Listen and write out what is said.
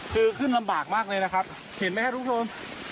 คือขึ้นลำบากมากเลยนะครับเห็นไหมฮะทุกคน